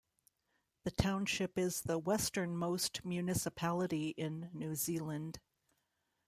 The township is the westernmost municipality in New Zealand.